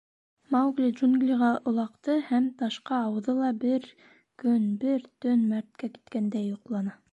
Маугли джунглиға олаҡты һәм ташҡа ауҙы ла бер көн, бер төн мәрткә киткәндәй йоҡланы.